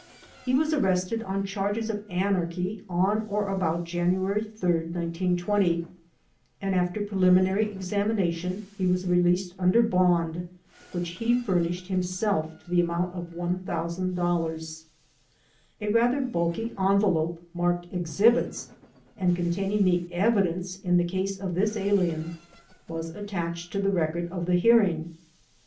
He was arrested on charges of anarchy on or about January 3, 1920, and after preliminary examina tion he was released under bond, which he furnished himself to the amount of $1,000. A rather bulky envelop marked "Exhibits" and containing the evidence in the case of this alien was attached to the record of the hear ing.